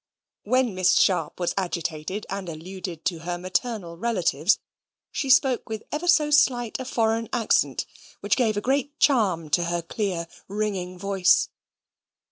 When Miss Sharp was agitated, and alluded to her maternal relatives, she spoke with ever so slight a foreign accent, which gave a great charm to her clear ringing voice.